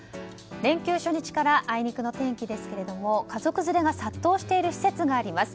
連休初日からあいにくの天気ですけれども家族連れが殺到している施設があります。